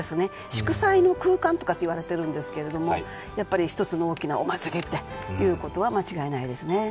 祝祭の空間とかと言われているんですけど、一つの大きなお祭りということは間違いないですね。